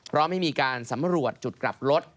พร้อมให้มีการสำรวจจุดกลับรถ